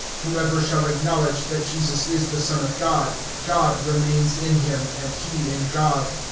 (15)Whoever acknowledges that Jesus is the Son of God, God abides in him, and he in God.